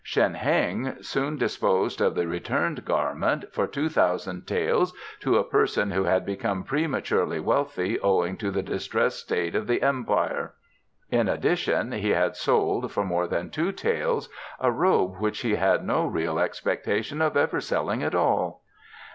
Shen Heng soon disposed of the returned garment for two thousand taels to a person who had become prematurely wealthy owing to the distressed state of the Empire. In addition he had sold, for more than two taels, a robe which he had no real expectation of ever selling at all.